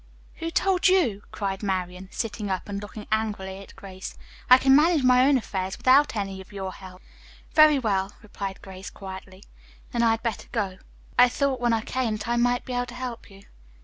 "Who told you?" cried Marian, sitting up and looking angrily at Grace. "I can manage my own affairs, without any of your help." "Very well," replied Grace quietly. "Then I had better go. I thought when I came that I might be able to help you.